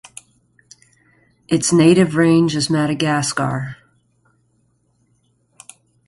Its native range is Madagascar.